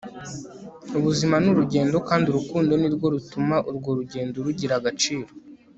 ubuzima ni urugendo, kandi urukundo nirwo rutuma urwo rugendo rugira agaciro